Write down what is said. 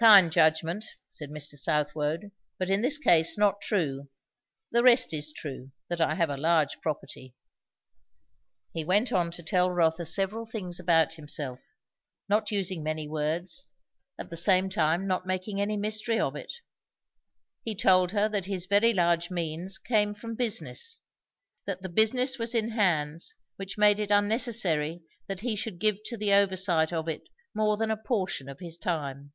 "Kind judgment," said Mr. Southwode; "but in this case not true. The rest is true, that I have a large property." He went on to tell Rotha several things about himself; not using many words, at the same time not making any mystery of it. He told her that his very large means came from business; that the business was in hands which made it unnecessary that he should give to the oversight of it more than a portion of his time.